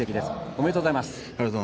おめでとうございます。